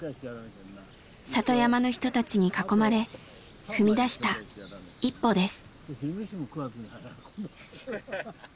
里山の人たちに囲まれ踏み出した一歩です。